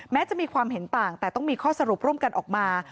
จะมีความเห็นต่างแต่ต้องมีข้อสรุปร่วมกันออกมา